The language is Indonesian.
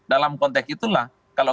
dalam konteks itulah kalau